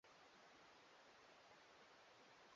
tunapoelekea katika uchaguzi mkuu